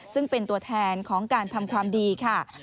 ซึ่งเป็นตัวแทนของการทำความดีค่ะ